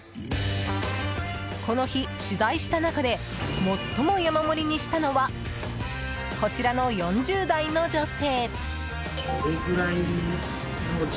この日取材した中で最も山盛りにしたのはこちらの４０代の女性。